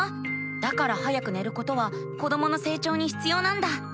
だから早く寝ることは子どもの成長にひつようなんだ。